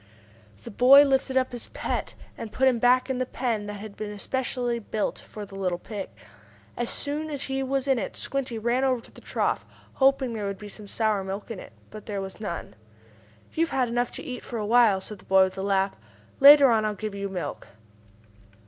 The boy lifted up his pet, and put him back in the pen that had been especially built for the little pig. As soon as he was in it Squinty ran over to the trough, hoping there would be some sour milk in it. But there was none. "You've had enough to eat for a while," said the boy with a laugh. "Later on I'll give you your milk."